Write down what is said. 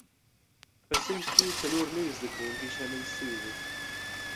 په صنف کې څلور نوي زده کوونکي شامل شوي دي.